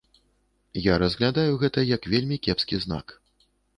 Я разглядаю гэта як вельмі кепскі знак.